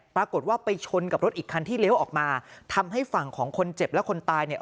ปรากฏว่าไปชนกับรถอีกคันที่เลี้ยวออกมาทำให้ฝั่งของคนเจ็บและคนตายเนี่ย